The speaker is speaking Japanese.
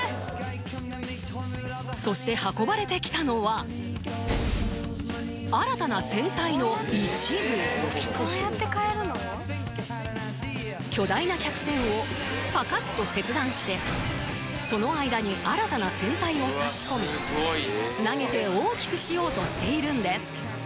そして運ばれてきたのはの一部巨大な客船をパカッと切断してその間に新たな船体を差し込みつなげて大きくしようとしているんです